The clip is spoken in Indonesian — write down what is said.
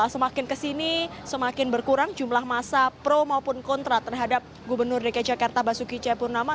semakin kesini semakin berkurang jumlah masa pro maupun kontra terhadap gubernur dki jakarta basuki cepurnama